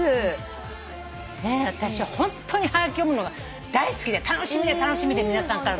私ホントにはがき読むのが大好きで楽しみで楽しみで皆さんからの。